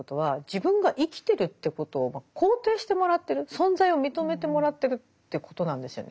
存在を認めてもらってるということなんですよね。